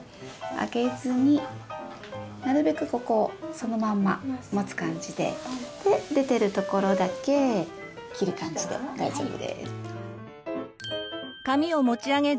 上げずになるべくここそのまんま持つ感じでで出てるところだけ切る感じで大丈夫です。